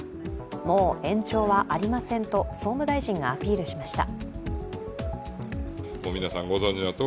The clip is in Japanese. もう延長はありませんと総務大臣がアピールしました。